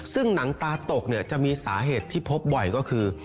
ซึ่งหนังตาตกเนี่ยจะมีสาเหตุที่พบบ่อยก็คือ